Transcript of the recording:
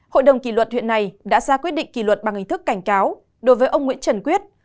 hội đồng kỷ luật huyện này đã ra quyết định kỷ luật bằng hình thức cảnh cáo đối với ông nguyễn trần quyết